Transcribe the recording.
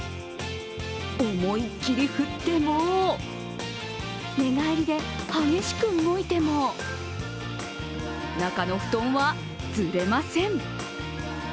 思い切り振っても、寝返りで激しく動いても中の布団は、ずれません。